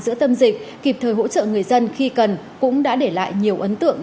giữa tâm dịch kịp thời hỗ trợ người dân khi cần cũng đã để lại nhiều ấn tượng